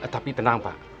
tapi tenang pak